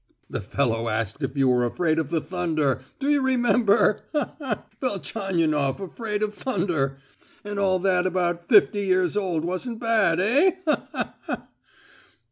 "The fellow asked you if you were afraid of the thunder; do you remember? Ha ha ha! Velchaninoff afraid of thunder! And all that about 'fifty years old' wasn't bad, eh? Ha ha ha!"